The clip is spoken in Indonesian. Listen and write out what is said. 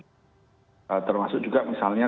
ee termasuk juga misalnya